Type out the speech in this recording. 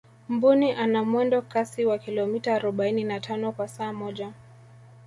mbuni ana mwendo kasi wa kilomita arobaini na tano kwa saa moja